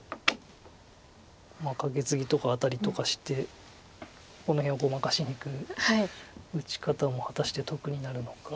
カケツギとかアタリとかしてこの辺をごまかしにいく打ち方も果たして得になるのか。